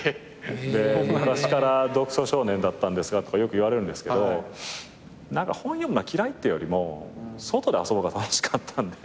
昔から読書少年だったんですか？とかよく言われるんですけど本読むのは嫌いっていうよりも外で遊ぶ方が楽しかったんで。